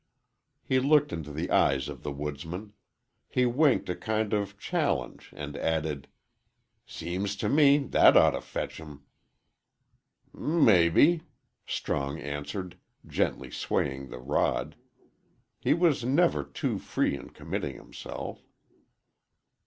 He looked into the eyes of the woodsman. He winked a kind of challenge, and added, "Seems to me that ought to fetch 'em." "Mebbe," Strong answered, gently swaying the rod. He was never too free in committing himself.